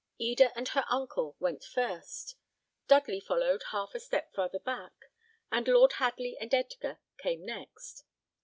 Eda and her uncle went first; Dudley followed half a step farther back; and Lord Hadley and Edgar came next.